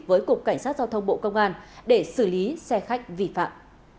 với cục cảnh sát giao thông bộ công an để xử lý xe khách vi phạm